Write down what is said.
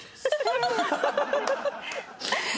ハハハハ！